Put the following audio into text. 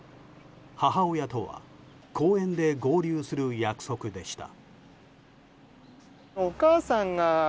母親とは公園で合流する約束でした。